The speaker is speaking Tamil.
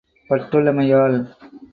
பட்டுள்ளமை யால்